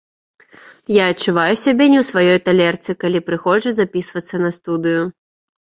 Я адчуваю сябе не ў сваёй талерцы, калі прыходжу запісвацца на студыю.